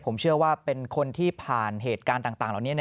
ผมเชื่อว่าเป็นคนที่ผ่านเหตุการณ์ต่างเหล่านี้